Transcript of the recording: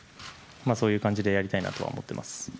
そういう感じでやりたいなと思っています。